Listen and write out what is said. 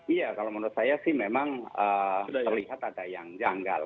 iya kalau menurut saya sih memang terlihat ada yang janggal